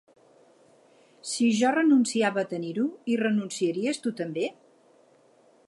Si jo renunciava a tenir-ho, hi renunciaries tu també?